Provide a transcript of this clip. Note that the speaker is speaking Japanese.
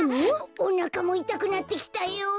おなかもいたくなってきたよ。